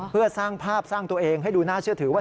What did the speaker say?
เพื่อสร้างภาพสร้างตัวเองให้ดูน่าเชื่อถือว่า